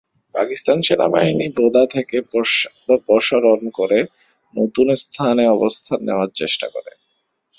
পাকিস্তান সেনাবাহিনী বোদা থেকে পশ্চাদপসরণ করে নতুন স্থানে অবস্থান নেওয়ার চেষ্টা করে।